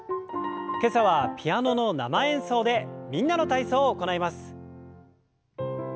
今朝はピアノの生演奏で「みんなの体操」を行います。